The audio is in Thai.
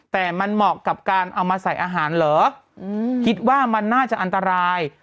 แต่มันเหมาะกับการเอามาใส่อาหารเหรอคิดว่ามันน่าจะอันตราย